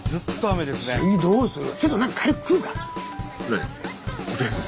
次どうする？